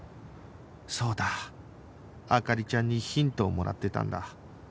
そうだ灯ちゃんにヒントをもらってたんだ